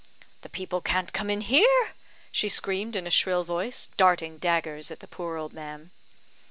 "The people can't come in here!" she screamed in a shrill voice, darting daggers at the poor old man.